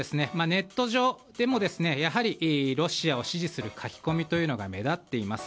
ネット上でもやはりロシアを支持する書き込みというのが目立っています。